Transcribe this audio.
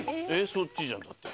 そっちじゃんだって。